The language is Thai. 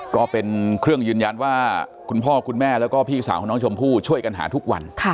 ก็เป็นเครื่องยืนยันว่าคุณพ่อคุณแม่แล้วก็พี่สาวของน้องชมพู่ช่วยกันหาทุกวัน